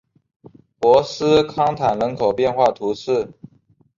博斯康坦人口变化图示